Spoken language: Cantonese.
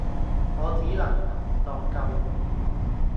我只能能待救援